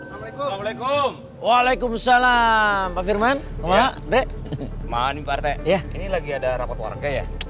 assalamualaikum waalaikumsalam pak firman maaf mbak ini pak rt ini lagi ada rapat warga ya